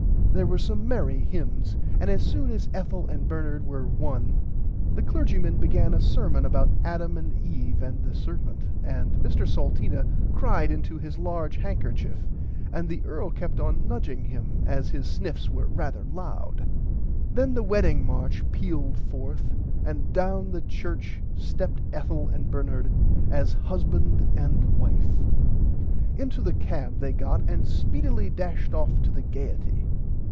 There were some merry hymns and as soon as Ethel and Bernard were one the clergyman began a sermon about Adam and Eve and the serpent and [Pg 100] Mr Salteena cried into his large handkerchief and the earl kept on nudging him as his sniffs were rarther loud. Then the wedding march pealed fourth and doun the church stepped Ethel and Bernard as husband and wife. Into the cab they got and speedelly dashed off to the Gaierty.